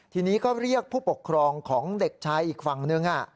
ทีนี้ก็เรียกผู้ปกครองของเด็กชายอีกฝั่งนึง